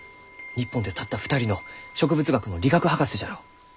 日本でたった２人の植物学の理学博士じゃろう！